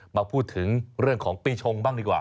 มาพูดถึงเรื่องของปีชงบ้างดีกว่า